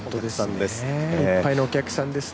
いっぱいのお客さんです。